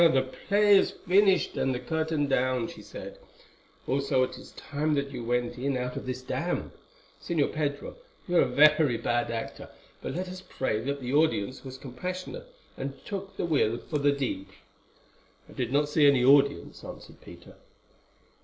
"The play is finished and the curtain down," she said; "also it is time that you went in out of this damp. Señor Pedro, you are a very bad actor; but let us pray that the audience was compassionate, and took the will for the deed." "I did not see any audience," answered Peter.